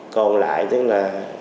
còn lại tức là